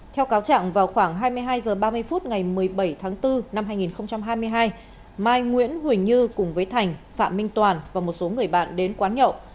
theo cáo trạng vào khoảng hai mươi hai h ba mươi phút ngày một mươi bảy tháng bốn năm hai nghìn hai mươi hai mai nguyễn huỳnh như cùng với thành phạm minh toàn và một số người bạn đến quán nhậu